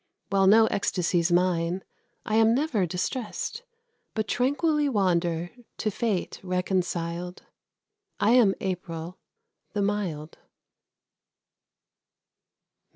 While no ecstacy's mine, I am never distressed, But tranquilly wander, to fate reconciled. I am April, the mild.